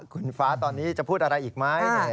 คุณฟ้าตอนนี้จะพูดอะไรอีกไหม